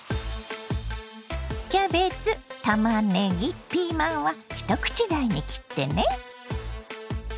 キャベツたまねぎピーマンは一口大に切ってね。